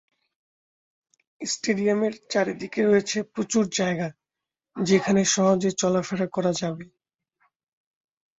স্টেডিয়ামের চারদিকে রয়েছে প্রচুর জায়গা যেখানে সহজে চলাফেরা করা যাবে।